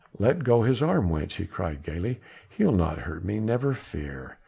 "Let go his arm, wench," he cried gaily; "he'll not hurt me, never fear.